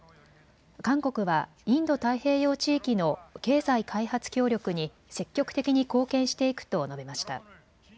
韓国はインド太平洋地域の経済開発協力に積極的に貢献していくと述べました。